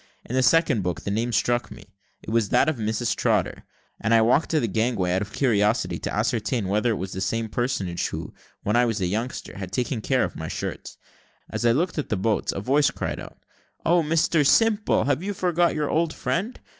In the second book the name struck me; it was that of Mrs Trotter, and I walked to the gangway, out of curiosity, to ascertain whether it was the same personage who, when I was a youngster, had taken such care of my shirts. As I looked at the boats, a voice cried out, "Oh, Mr Simple, have you forgot your old friend?